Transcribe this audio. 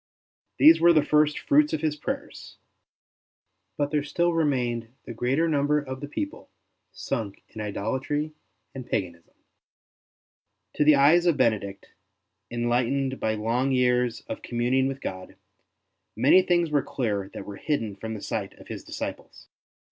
These were the first 56 ST. BENEDICT fruits of his prayers ; but there still remained the greater number of the people, sunk in idolatry and paganism. To the eyes of Bene dict, enlightened by long years of communing with God, many things were clear that were hidden from the sight of his disciples.